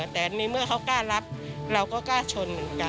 แต่ในเมื่อเขากล้ารับเราก็กล้าชนเหมือนกัน